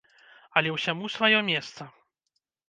Але ўсяму сваё месца.